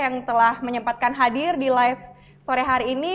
yang telah menyempatkan hadir di live sore hari ini